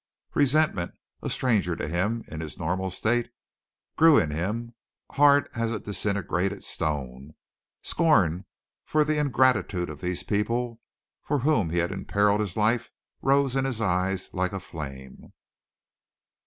Resentment, a stranger to him in his normal state, grew in him, hard as a disintegrated stone; scorn for the ingratitude of these people for whom he had imperiled his life rose in his eyes like a flame.